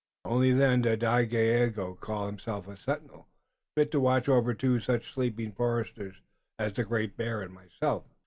Only then can Dagaeoga call himself a sentinel fit to watch over two such sleeping foresters as the Great Bear and myself."